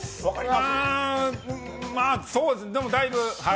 まあ、そうですねでもだいぶ。